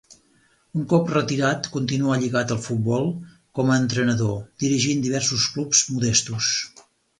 Un cop retirat continuà lligat al futbol com a entrenador, dirigint diversos clubs modestos.